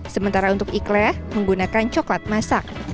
sementara untuk ikhleh menggunakan coklat masak